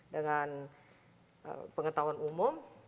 dengan pengetahuan umum